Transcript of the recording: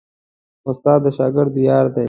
استاد د شاګرد ویاړ دی.